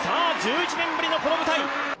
１１年ぶりのこの舞台。